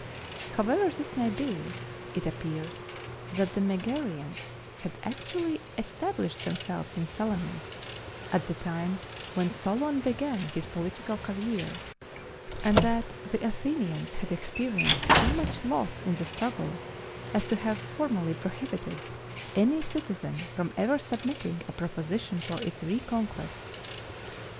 However this may be, it appears that the Megarians had actually established themselves in Salamis, at the time when Solon began his political career, and that the Athenians had experienced so much loss in the struggle as to have formally prohibited any citizen from ever submitting a proposition for its reconquest.